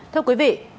thưa quý vị